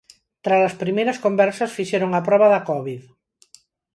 Tras as primeiras conversas, fixeron a proba da covid.